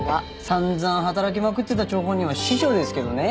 散々働きまくってた張本人は師匠ですけどね。